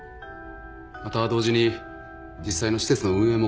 また同時に実際の施設の運営も行っています。